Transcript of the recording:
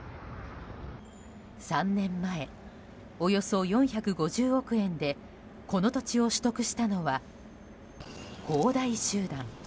３年前、およそ４５０億円でこの土地を取得したのは恒大集団。